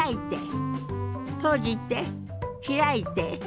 閉じて開いて。